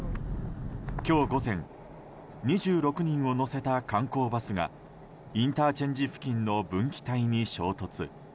今日午前２６人を乗せた観光バスがインターチェンジ付近の分岐帯に衝突。